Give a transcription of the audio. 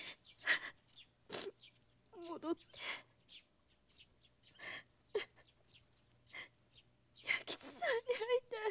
戻って弥吉さんに会いたい！